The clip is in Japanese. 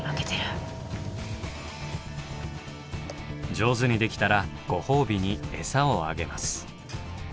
上手にできたらご褒美にエサをあげます。